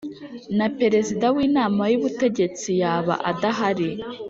na Perezida w inama y ubutegetsi yaba adahari